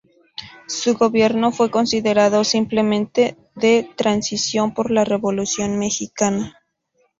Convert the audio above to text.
Su gobierno fue considerado simplemente de transición por la Revolución mexicana.